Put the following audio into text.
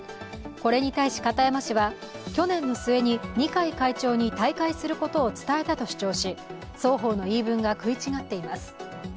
これに対し片山氏は去年の末に退会することを伝えたと主張し双方の言い分が食い違っています。